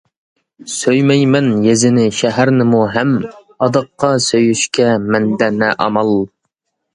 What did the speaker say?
سۆيمەيمەن يېزىنى، شەھەرنىمۇ ھەم، ئاداققا سۆيۈشكە مەندە نە ئامال.